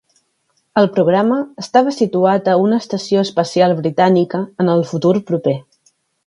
El programa estava situat a una estació espacial britànica en el futur proper.